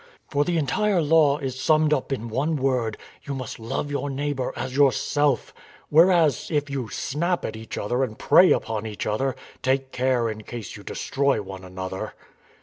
For the entire Law is " LONE ON THE LAND " 24*7 summed up in one word :* You must love your neigh bour as yourself '— whereas if you snap at each other and prey upon each other, take care in case you destroy one another.